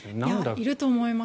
いると思います。